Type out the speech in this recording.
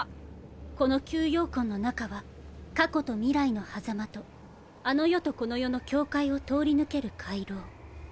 この吸妖魂の中は過去と未来の狭間とあの世とこの世の境界を通り抜ける回廊。